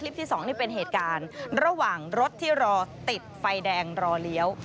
ที่สองนี่เป็นเหตุการณ์ระหว่างรถที่รอติดไฟแดงรอเลี้ยว